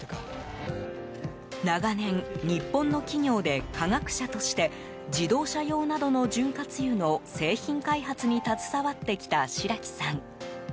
長年、日本の企業で化学者として自動車用などの潤滑油の製品開発に携わってきた白木さん。